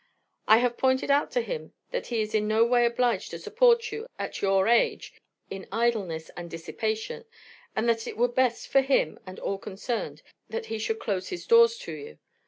I have pointed out to him that he is in no way obliged to support you at your age in idleness and dissipation, and that it were best for him and all concerned that he should close his doors to you.